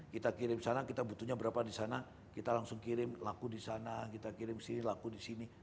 kita kirim sana kita butuhnya berapa di sana kita langsung kirim laku di sana kita kirim sini laku di sini